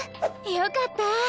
よかった。